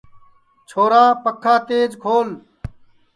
چھورا پکھا تیج کھول